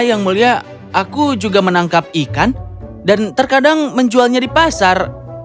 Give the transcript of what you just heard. yang mulia aku juga menangkap ikan dan terkadang menjualnya di pasar